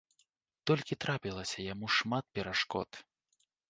Толькі трапілася яму шмат перашкод.